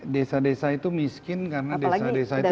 desa desa itu miskin karena desa desa itu